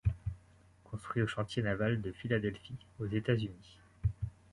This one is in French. Construit au chantier naval de Philadelphie aux États-Unis.